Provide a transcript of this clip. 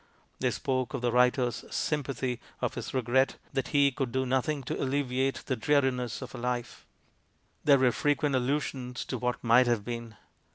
They spoke of the writer's "sympathy," of his regret that he could do nothing to "alleviate the dreariness of her life." There were frequent allusions to what "might have been."